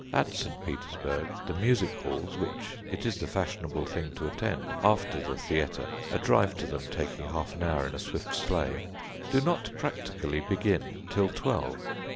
At St. Petersburg, the music halls, which it is the fashionable thing to attend after the theatre a drive to them taking half an hour in a swift sleigh do not practically begin till twelve.